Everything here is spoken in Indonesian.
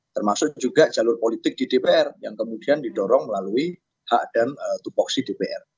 termasuk juga jalur politik di dpr yang kemudian didorong melalui hak dan tupoksi dpr